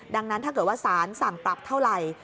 ดังนั้นถ้าเกิดว่าสารสั่งปรับเท่าไหร่